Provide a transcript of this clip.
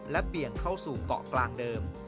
เบี่ยงเข้าสู่เกาะกลางเดิม